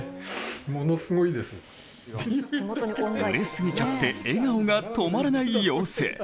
売れすぎちゃって笑顔が止まらない様子。